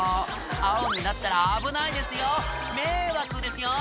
青になったら危ないですよ迷惑ですよ